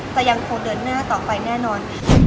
จะยังคงเดินหน้าต่อไปแน่นอน